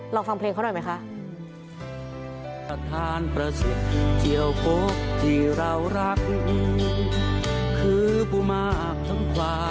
ลองฟังเพลงเขาหน่อยไหมคะ